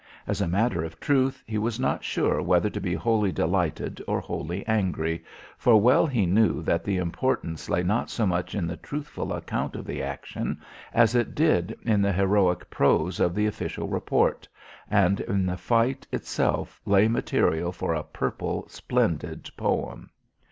As a matter of truth, he was not sure whether to be wholly delighted or wholly angry, for well he knew that the importance lay not so much in the truthful account of the action as it did in the heroic prose of the official report, and in the fight itself lay material for a purple splendid poem.